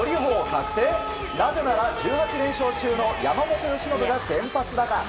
なぜなら１８連勝中の山本由伸が先発だから。